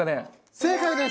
正解です！